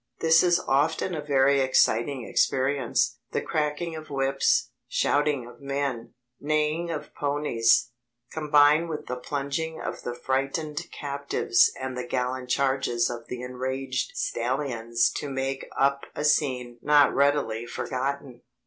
This is often a very exciting experience: the cracking of whips, shouting of men, neighing of ponies, combine with the plunging of the frightened captives and the gallant charges of the enraged stallions to make up a scene not readily forgotten.